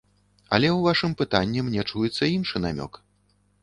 Але ў вашым пытанні мне чуецца іншы намёк.